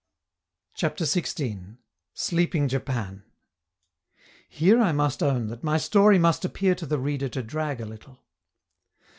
CHAPTER XVI. SLEEPING JAPAN Here I must own that my story must appear to the reader to drag a little.